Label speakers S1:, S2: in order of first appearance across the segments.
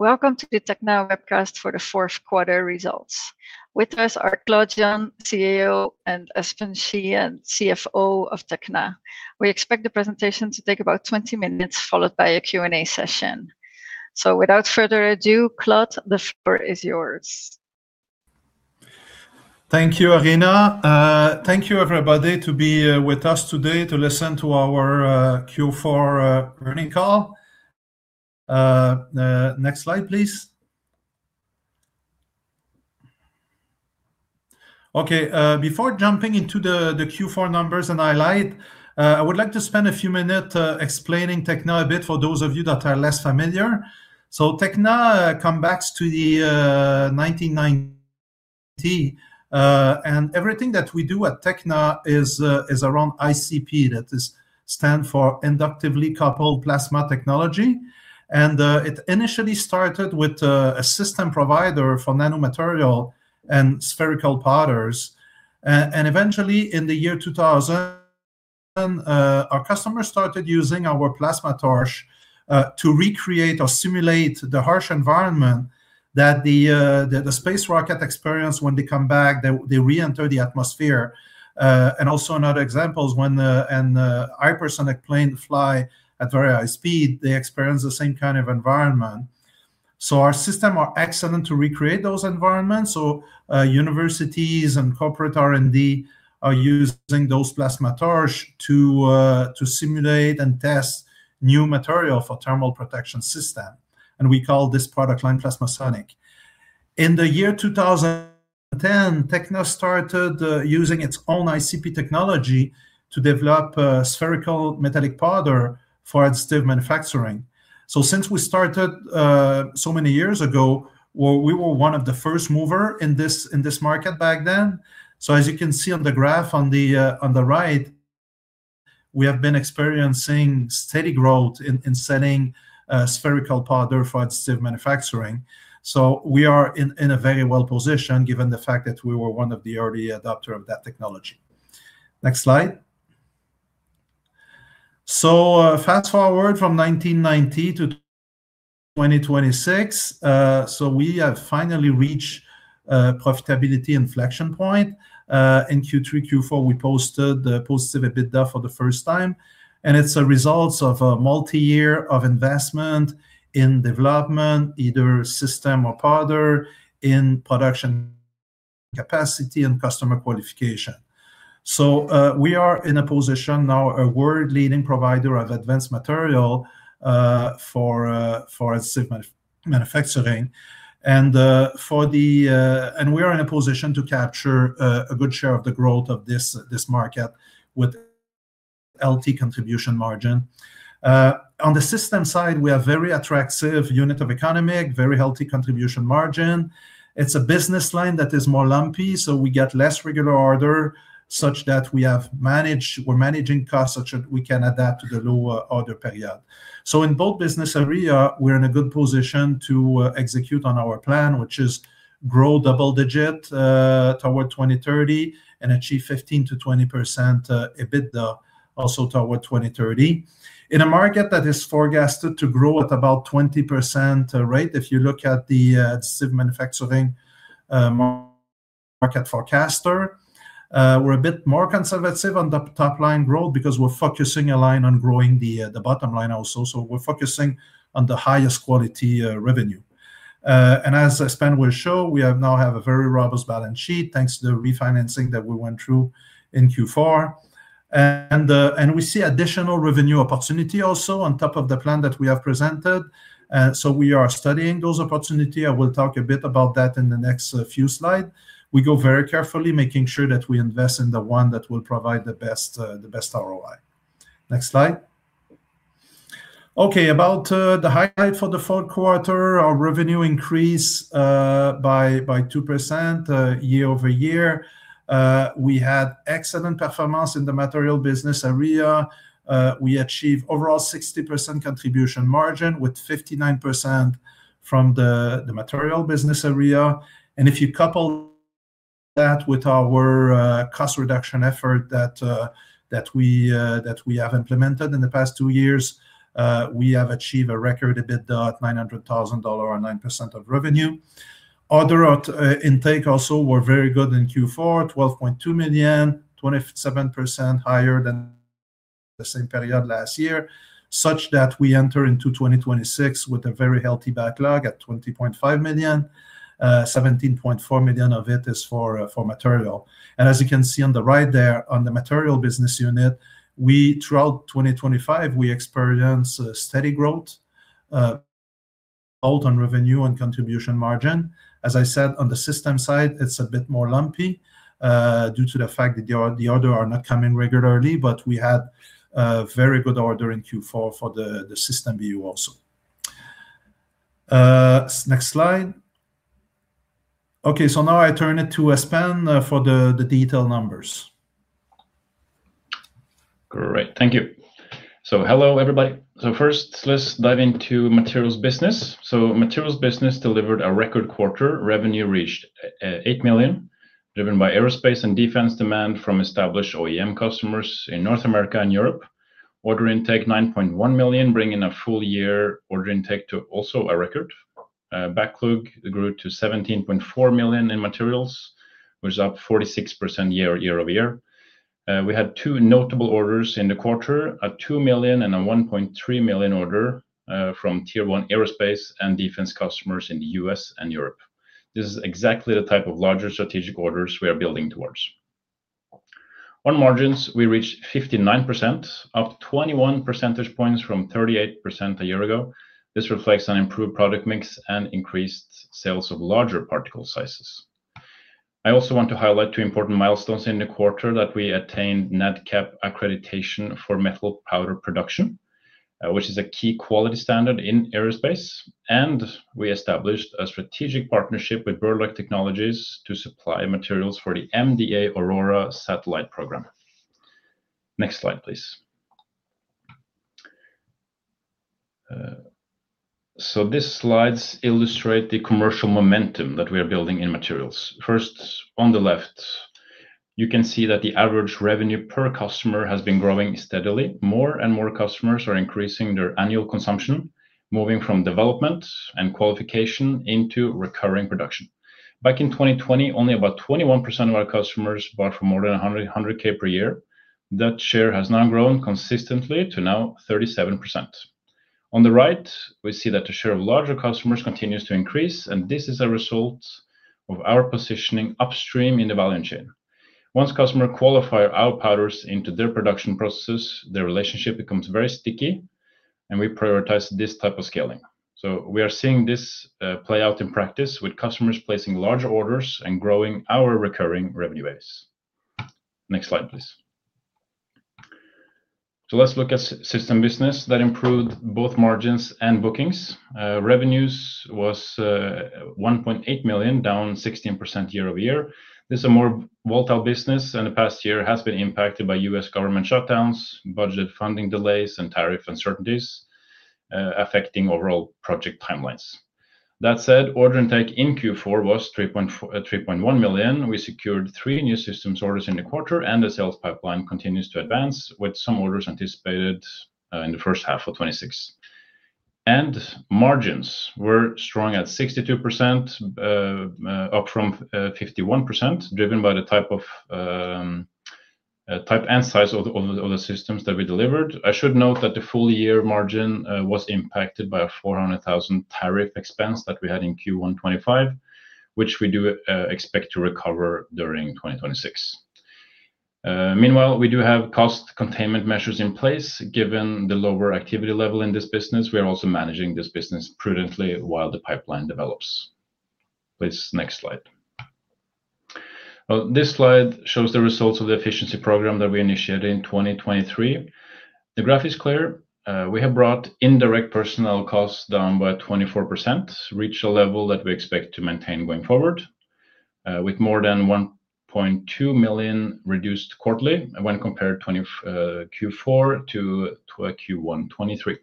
S1: Welcome to the Tekna webcast for the fourth quarter results. With us are Claude Jean, CEO, and Espen Schie, CFO of Tekna. We expect the presentation to take about 20 minutes, followed by a Q&A session. So without further ado, Claude, the floor is yours.
S2: Thank you, Arina. Thank you, everybody, to be with us today to listen to our Q4 earning call. Next slide, please. Okay, before jumping into the Q4 numbers and highlight, I would like to spend a few minutes explaining Tekna a bit for those of you that are less familiar. So Tekna comes back to the 1990, and everything that we do at Tekna is around ICP, that is stand for Inductively Coupled Plasma technology. And it initially started with a system provider for nanomaterial and spherical powders. And eventually, in the year 2000, our customers started using our plasma torch to recreate or simulate the harsh environment that the space rocket experience when they come back, they reenter the atmosphere. And also another example is when the hypersonic plane fly at very high speed, they experience the same kind of environment. So our system are excellent to recreate those environments. So universities and corporate R&D are using those plasma torch to simulate and test new material for thermal protection system, and we call this product line PlasmaSonic. In the year 2010, Tekna started using its own ICP technology to develop spherical metallic powder for additive manufacturing. So since we started so many years ago, we were one of the first mover in this market back then. So as you can see on the graph on the right, we have been experiencing steady growth in selling spherical powder for additive manufacturing. So we are in a very well position, given the fact that we were one of the early adopter of that technology. Next slide. So, fast forward from 1990 to 2026, so we have finally reached profitability inflection point. In Q3, Q4, we posted the positive EBITDA for the first time, and it's a result of a multi-year of investment in development, either system or powder, in production capacity and customer qualification. So, we are in a position now, a world leading provider of advanced material, for manufacturing. And we are in a position to capture a good share of the growth of this market with LT contribution margin. On the system side, we have very attractive unit of economic, very healthy contribution margin. It's a business line that is more lumpy, so we get less regular order, such that we have managed, we're managing costs, such that we can adapt to the lower order period. So in both business area, we're in a good position to execute on our plan, which is grow double-digit toward 2030, and achieve 15%-20% EBITDA, also toward 2030. In a market that is forecasted to grow at about 20% rate, if you look at the manufacturing market forecaster, we're a bit more conservative on the top line growth because we're focusing a line on growing the bottom line also. So we're focusing on the highest quality revenue. And as Espen will show, we now have a very robust balance sheet, thanks to the refinancing that we went through in Q4. We see additional revenue opportunity also on top of the plan that we have presented, so we are studying those opportunity. I will talk a bit about that in the next few slide. We go very carefully, making sure that we invest in the one that will provide the best ROI. Next slide. Okay, about the highlight for the fourth quarter, our revenue increase by 2% year-over-year. We had excellent performance in the material business area. We achieved overall 60% contribution margin, with 59% from the material business area. And if you couple that with our cost reduction effort that we have implemented in the past two years, we have achieved a record EBITDA at 900,000 dollars or 9% of revenue. Order intake also were very good in Q4, 12.2 million, 27% higher than the same period last year, such that we enter into 2026 with a very healthy backlog at 20.5 million. Seventeen point four million of it is for material. And as you can see on the right there, on the material business unit, we throughout 2025, we experienced a steady growth on revenue and contribution margin. As I said, on the system side, it's a bit more lumpy due to the fact that the orders are not coming regularly, but we had a very good order in Q4 for the system view also. Next slide. Okay, so now I turn it to Espen for the detail numbers.
S3: Great, thank you. So hello, everybody. So first, let's dive into materials business. So materials business delivered a record quarter, revenue reached 8 million, driven by aerospace and defense demand from established OEM customers in North America and Europe. Order intake, 9.1 million, bringing a full year order intake to also a record. Backlog grew to 17.4 million in materials, which is up 46% year-over-year. We had two notable orders in the quarter, a 2 million and a 1.3 million order, from tier one aerospace and defense customers in the U.S. and Europe. This is exactly the type of larger strategic orders we are building towards. On margins, we reached 59%, up 21 percentage points from 38% a year ago. This reflects an improved product mix and increased sales of larger particle sizes. I also want to highlight two important milestones in the quarter that we attained Nadcap accreditation for metal powder production, which is a key quality standard in aerospace, and we established a strategic partnership with Burloak Technologies to supply materials for the MDA AURORA satellite program. Next slide, please. So these slides illustrate the commercial momentum that we are building in materials. First, on the left, you can see that the average revenue per customer has been growing steadily. More and more customers are increasing their annual consumption, moving from development and qualification into recurring production. Back in 2020, only about 21% of our customers bought for more than 100,000 per year. That share has now grown consistently to now 37%. On the right, we see that the share of larger customers continues to increase, and this is a result of our positioning upstream in the value chain. Once customer qualify our powders into their production processes, their relationship becomes very sticky, and we prioritize this type of scaling. So we are seeing this, play out in practice, with customers placing larger orders and growing our recurring revenue base. Next slide, please. So let's look at system business that improved both margins and bookings. Revenues was 1.8 million, down 16% year-over-year. This is a more volatile business, and the past year has been impacted by U.S. government shutdowns, budget funding delays, and tariff uncertainties, affecting overall project timelines. That said, order intake in Q4 was 3.1 million. We secured three new systems orders in the quarter, and the sales pipeline continues to advance, with some orders anticipated in the first half of 2026. Margins were strong at 62%, up from 51%, driven by the type and size of the systems that we delivered. I should note that the full year margin was impacted by a 400,000 tariff expense that we had in Q1 2025, which we do expect to recover during 2026. Meanwhile, we do have cost containment measures in place. Given the lower activity level in this business, we are also managing this business prudently while the pipeline develops. Please, next slide. This slide shows the results of the efficiency program that we initiated in 2023. The graph is clear. We have brought indirect personnel costs down by 24%, reached a level that we expect to maintain going forward, with more than 1.2 million reduced quarterly when compared Q4 to Q1 2023.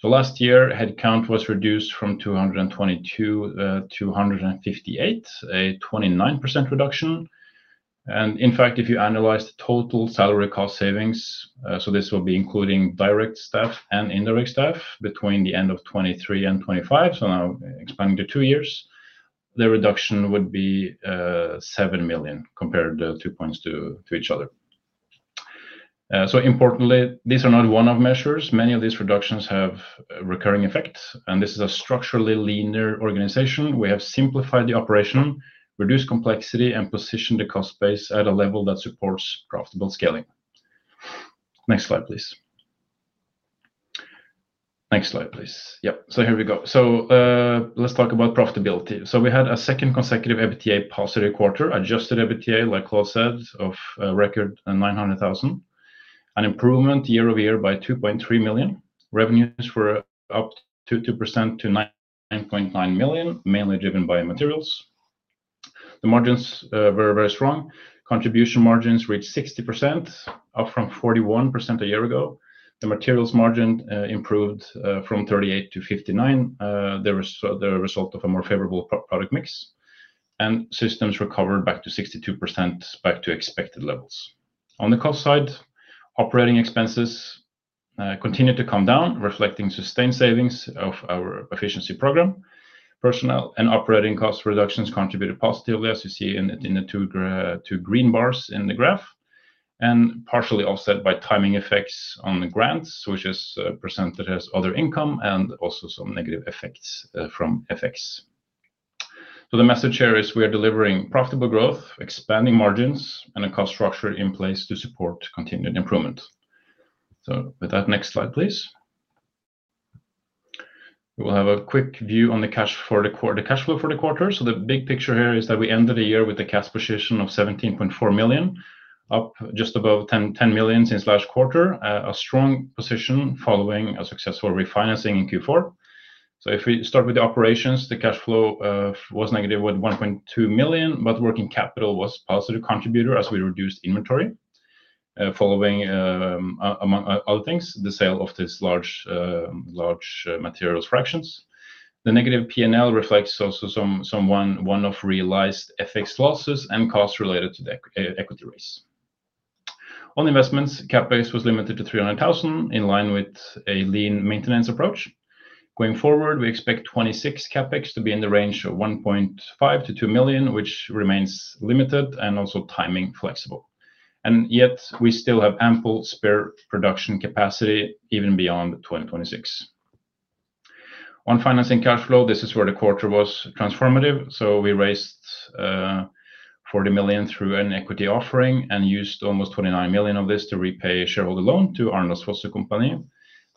S3: So last year, headcount was reduced from 222 to 258, a 29% reduction. And in fact, if you analyze the total salary cost savings, so this will be including direct staff and indirect staff between the end of 2023 and 2025, so now expanding to two years, the reduction would be 7 million compared the two points to each other. Importantly, these are not one-off measures. Many of these reductions have recurring effects, and this is a structurally leaner organization. We have simplified the operation, reduced complexity, and positioned the cost base at a level that supports profitable scaling. Next slide, please. Next slide, please. Yep. So here we go. So, let's talk about profitability. So we had a second consecutive EBITDA positive quarter, adjusted EBITDA, like Claude said, of record 900,000, an improvement year-over-year by 2.3 million. Revenues were up 2% to 9.9 million, mainly driven by materials. The margins were very strong. Contribution margins reached 60%, up from 41% a year ago. The materials margin improved from 38%-59%. There was the result of a more favorable product mix, and systems recovered back to 62%, back to expected levels. On the cost side, operating expenses continued to come down, reflecting sustained savings of our efficiency program. Personnel and operating cost reductions contributed positively, as you see in the, in the two green bars in the graph, and partially offset by timing effects on the grants, which is presented as other income, and also some negative effects from FX. So the message here is we are delivering profitable growth, expanding margins, and a cost structure in place to support continued improvement. So with that, next slide, please. We will have a quick view on the cash flow for the quarter. So the big picture here is that we ended the year with a cash position of 17.4 million, up just above 10 million since last quarter. A strong position following a successful refinancing in Q4. So if we start with the operations, the cash flow was negative with 1.2 million, but working capital was positive contributor as we reduced inventory, following, among other things, the sale of this large materials fractions. The negative PNL reflects also some one-off realized FX losses and costs related to the equity raise. On investments, CapEx was limited to 300,000, in line with a lean maintenance approach. Going forward, we expect 2026 CapEx to be in the range of 1.5 million-2 million, which remains limited and also timing flexible. And yet we still have ample spare production capacity, even beyond 2026. On financing cash flow, this is where the quarter was transformative. So we raised 40 million through an equity offering and used almost 29 million of this to repay a shareholder loan to Arendals Fossekompani ASA.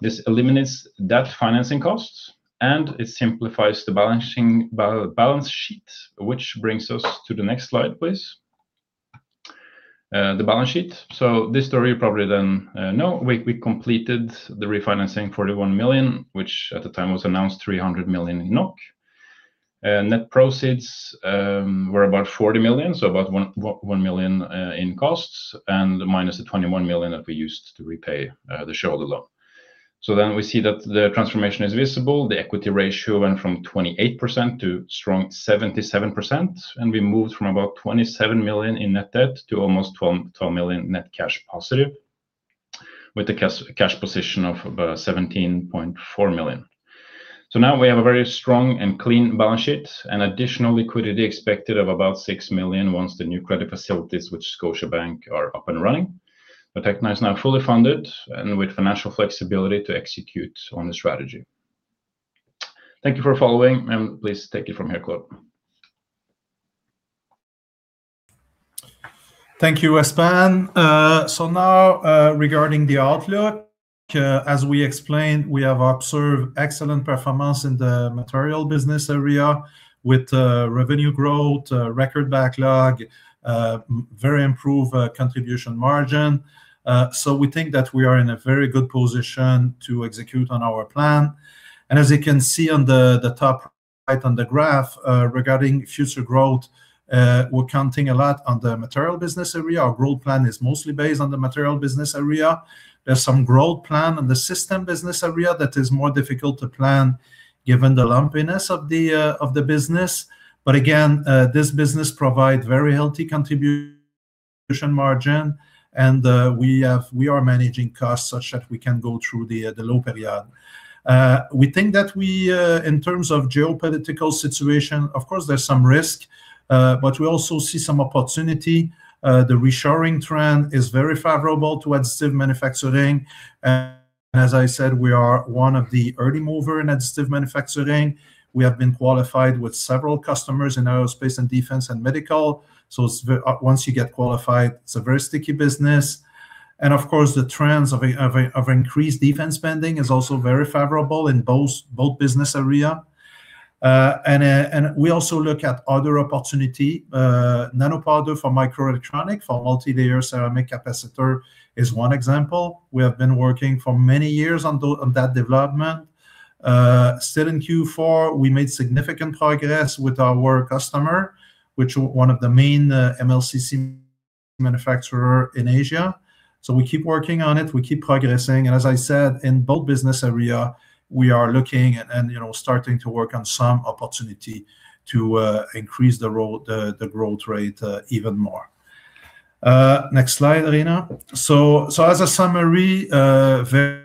S3: This eliminates debt financing costs, and it simplifies the balance sheet, which brings us to the next slide, please. The balance sheet. So this story you probably then know. We completed the refinancing, 41 million, which at the time was announced, 300 million. Net proceeds were about 40 million, so about 1 million in costs, and minus the 21 million that we used to repay the shareholder loan. So then we see that the transformation is visible. The equity ratio went from 28% to strong 77%, and we moved from about 27 million in net debt to almost 12 million net cash positive, with a cash position of about 17.4 million. So now we have a very strong and clean balance sheet and additional liquidity expected of about 6 million once the new credit facilities with Scotiabank are up and running. But Tekna is now fully funded and with financial flexibility to execute on the strategy. Thank you for following, and please take it from here, Claude.
S2: Thank you, Espen. So now, regarding the outlook, as we explained, we have observed excellent performance in the material business area with revenue growth, record backlog, very improved contribution margin. We think that we are in a very good position to execute on our plan. As you can see on the top right on the graph, regarding future growth, we're counting a lot on the material business area. Our growth plan is mostly based on the material business area. There's some growth plan in the system business area that is more difficult to plan given the lumpiness of the business. Again, this business provide very healthy contribution margin and we are managing costs such that we can go through the low period. We think that we, in terms of geopolitical situation, of course, there's some risk, but we also see some opportunity. The reshoring trend is very favorable to additive manufacturing. And as I said, we are one of the early mover in additive manufacturing. We have been qualified with several customers in aerospace and defense and medical. So once you get qualified, it's a very sticky business. And of course, the trends of increased defense spending is also very favorable in both business area. And we also look at other opportunity, nanopowder for microelectronics, for multilayer ceramic capacitor is one example. We have been working for many years on that development. Still in Q4, we made significant progress with our customer, which is one of the main MLCC manufacturer in Asia. So we keep working on it, we keep progressing, and as I said, in both business area, we are looking and, you know, starting to work on some opportunity to increase the role, the growth rate even more. Next slide, Rina. So as a summary, very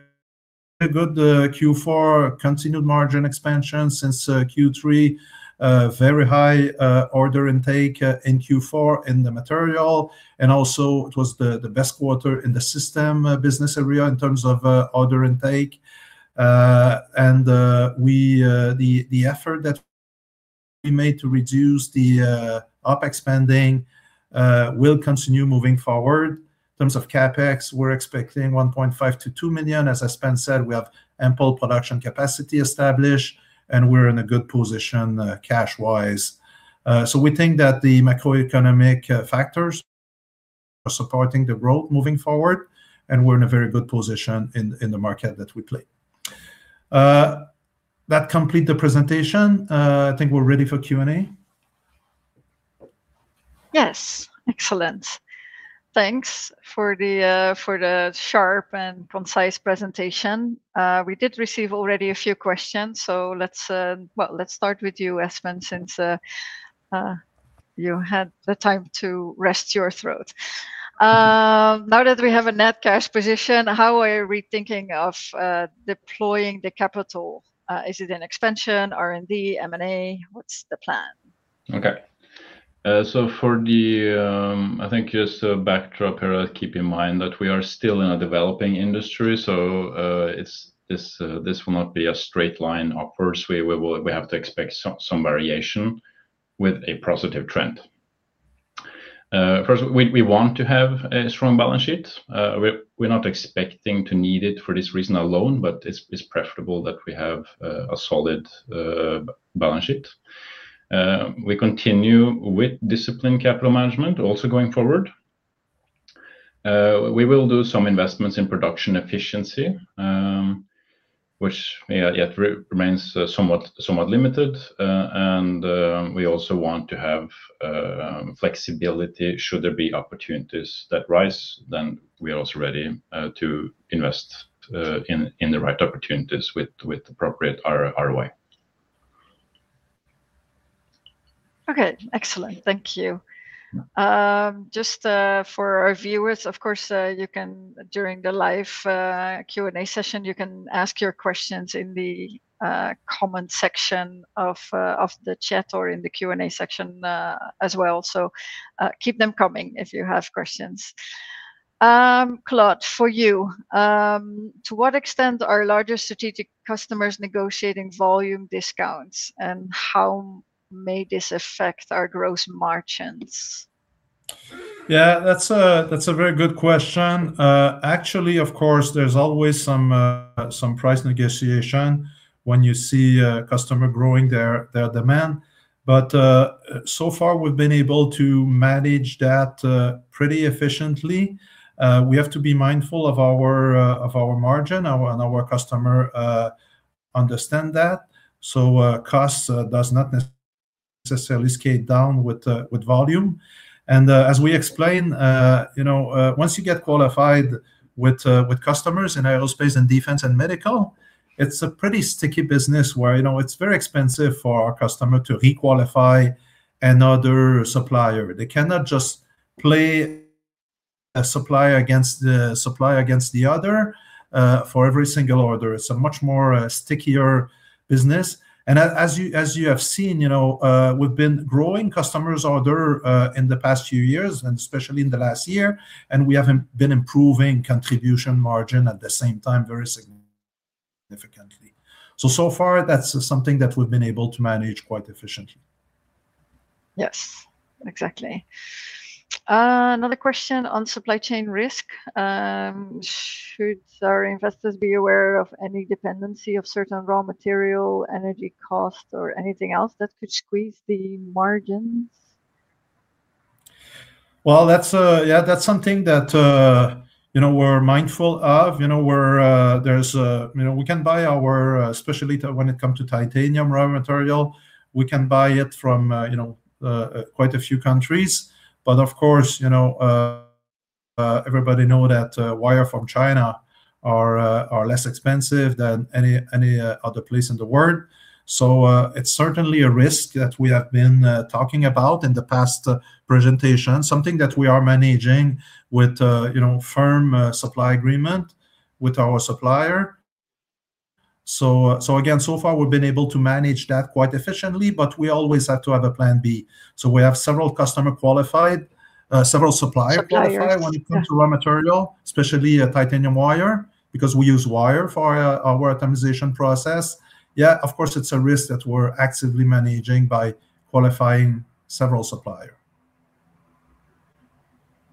S2: good Q4 continued margin expansion since Q3. Very high order intake in Q4 in the material, and also it was the best quarter in the system business area in terms of order intake. And the effort that we made to reduce the OPEX spending will continue moving forward. In terms of CapEx, we're expecting 1.5 million-2 million. As Espen said, we have ample production capacity established, and we're in a good position cash-wise. So we think that the macroeconomic factors are supporting the growth moving forward, and we're in a very good position in the market that we play. That complete the presentation. I think we're ready for Q&A.
S1: Yes. Excellent. Thanks for the sharp and concise presentation. We did receive already a few questions, so let's, well, let's start with you, Espen, since you had the time to rest your throat. Now that we have a net cash position, how are we thinking of deploying the capital? Is it an expansion, R&D, M&A? What's the plan?
S3: Okay. So for the, I think just a backdrop, keep in mind that we are still in a developing industry, so, it's, this, this will not be a straight line upwards. We, we will, we have to expect some, some variation with a positive trend. First, we, we want to have a strong balance sheet. We're, we're not expecting to need it for this reason alone, but it's, it's preferable that we have, a solid, balance sheet. We continue with disciplined capital management also going forward. We will do some investments in production efficiency, which, yet remains somewhat, somewhat limited. And, we also want to have, flexibility should there be opportunities that rise, then we are also ready, to invest, in, in the right opportunities with, with appropriate ROI. ...
S1: Okay, excellent. Thank you. Just, for our viewers, of course, you can, during the live, Q&A session, you can ask your questions in the comment section of the chat or in the Q&A section, as well. So, keep them coming if you have questions. Claude, for you, to what extent are larger strategic customers negotiating volume discounts, and how may this affect our gross margins?
S2: Yeah, that's a very good question. Actually, of course, there's always some price negotiation when you see a customer growing their demand, but so far we've been able to manage that pretty efficiently. We have to be mindful of our margin and our customer understand that, so cost does not necessarily scale down with volume. And as we explained, you know, once you get qualified with customers in aerospace and defense and medical, it's a pretty sticky business, where, you know, it's very expensive for our customer to re-qualify another supplier. They cannot just play a supplier against the other for every single order. It's a much more stickier business, and as you have seen, you know, we've been growing customers order in the past few years, and especially in the last year, and we have been improving contribution margin at the same time very significantly. So far, that's something that we've been able to manage quite efficiently.
S1: Yes, exactly. Another question on supply chain risk. Should our investors be aware of any dependency of certain raw material, energy costs, or anything else that could squeeze the margins?
S2: Well, that's... Yeah, that's something that, you know, we're mindful of. You know, we're... You know, we can buy our, especially when it comes to titanium raw material, we can buy it from, you know, quite a few countries. But of course, you know, everybody know that wire from China are, are less expensive than any, other place in the world. So, it's certainly a risk that we have been talking about in the past presentation, something that we are managing with, you know, firm supply agreement with our supplier. So, so again, so far we've been able to manage that quite efficiently, but we always have to have a plan B. So we have several customer qualified, several supplier-
S1: Suppliers...
S2: qualified when it comes to raw material, especially, titanium wire, because we use wire for our, our atomization process. Yeah, of course, it's a risk that we're actively managing by qualifying several suppliers.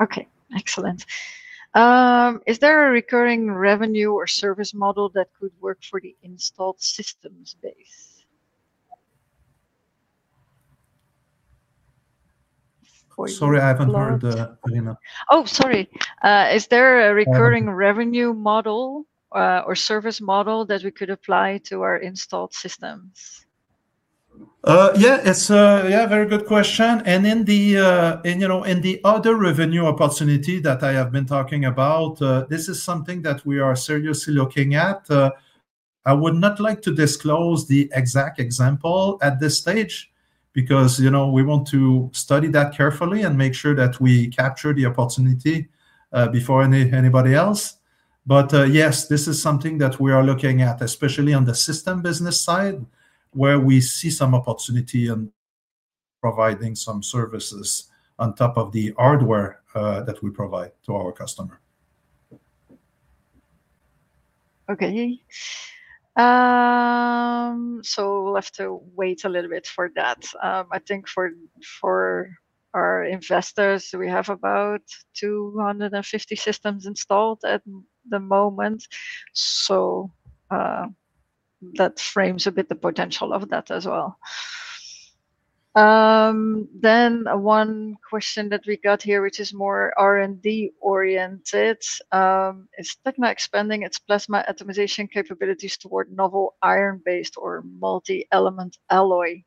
S1: Okay, excellent. Is there a recurring revenue or service model that could work for the installed systems base? For you, Claude.
S2: Sorry, I haven't heard Arina.
S1: Oh, sorry. Is there a-
S2: Yeah...
S1: recurring revenue model, or service model that we could apply to our installed systems?
S2: Yeah, it's, yeah, very good question. And in the, you know, in the other revenue opportunity that I have been talking about, this is something that we are seriously looking at. I would not like to disclose the exact example at this stage, because, you know, we want to study that carefully and make sure that we capture the opportunity, before anybody else. But, yes, this is something that we are looking at, especially on the system business side, where we see some opportunity in providing some services on top of the hardware, that we provide to our customer.
S1: Okay. So we'll have to wait a little bit for that. I think for our investors, we have about 250 systems installed at the moment, so that frames a bit the potential of that as well. Then one question that we got here, which is more R&D-oriented: Is Tekna expanding its plasma atomization capabilities toward novel iron-based or multi-element alloy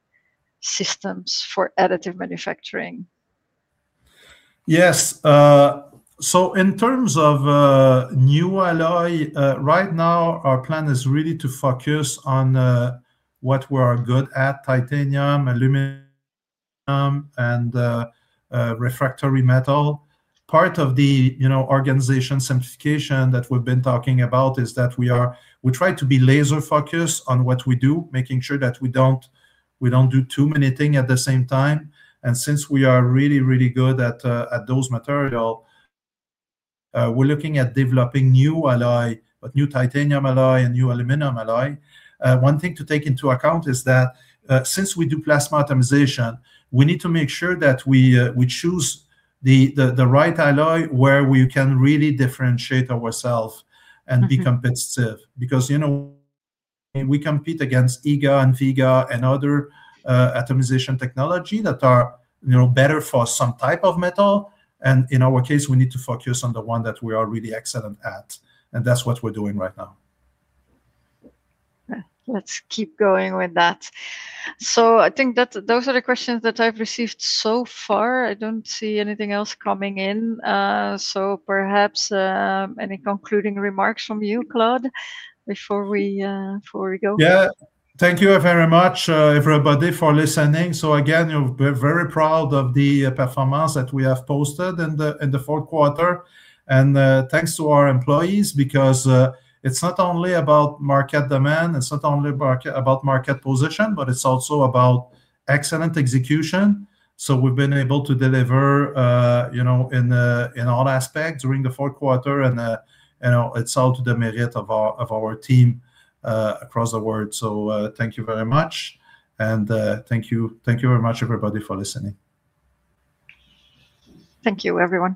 S1: systems for additive manufacturing?
S2: Yes. So in terms of new alloy, right now our plan is really to focus on what we are good at, titanium, aluminum, and refractory metal. Part of the, you know, organization simplification that we've been talking about is that we try to be laser focused on what we do, making sure that we don't do too many things at the same time. And since we are really, really good at those materials, we're looking at developing new alloy, but new titanium alloy and new aluminum alloy. One thing to take into account is that since we do plasma atomization, we need to make sure that we choose the right alloy where we can really differentiate ourselves-
S1: Mm-hmm...
S2: and be competitive. Because, you know, we compete against EIGA and VIGA and other atomization technology that are, you know, better for some type of metal, and in our case, we need to focus on the one that we are really excellent at, and that's what we're doing right now.
S1: Yeah. Let's keep going with that. So I think that those are the questions that I've received so far. I don't see anything else coming in. So perhaps any concluding remarks from you, Claude, before we go?
S2: Yeah. Thank you very much, everybody, for listening. So again, we're very proud of the performance that we have posted in the fourth quarter. And thanks to our employees, because it's not only about market demand, it's not only about market position, but it's also about excellent execution. So we've been able to deliver, you know, in all aspects during the fourth quarter, and you know, it's all to the merit of our team across the world. So thank you very much, and thank you, thank you very much, everybody, for listening.
S1: Thank you, everyone.